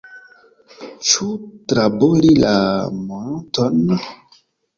Ĉu trabori la monton?